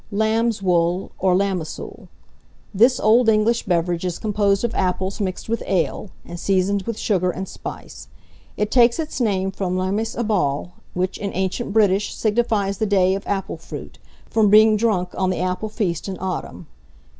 LAMBSWOOL, or LAMASOOL. This old English beverage is composed of apples mixed with ale, and seasoned with sugar and spice. It takes its name from Lamaes abhal, which, in ancient British, signifies the day of apple fruit, from being drunk on the apple feast in autumn.